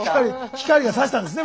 光がさしたんですね